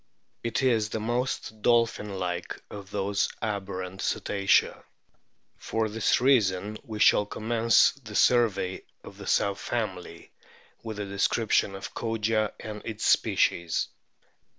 It is the most dolphin like of those aberrant Cetacea. For this reason we shall commence the survey of the sub family with a description of Kogia and its species.